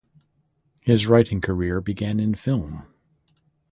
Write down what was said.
His writing career began in film.